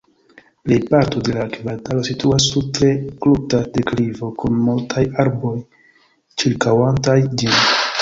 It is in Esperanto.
Plejparto de la kvartalo situas sur tre kruta deklivo kun multaj arboj ĉirkaŭantaj ĝin.